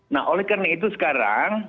nah oleh karena itu sekarang